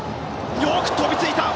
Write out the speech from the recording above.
よく飛びついた！